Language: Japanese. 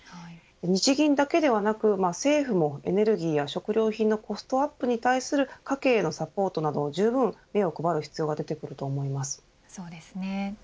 日銀だけではなく政府もエネルギーや食料品のコストアップに対する家計へのサポートなどじゅうぶん目を配る必要がそうですね。